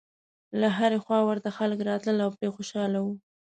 له هرې خوا ورته خلک راتلل او پرې خوشاله و.